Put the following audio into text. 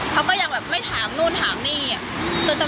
เขาก็ยังแบบไม่ถามนู่นถามนี่อะ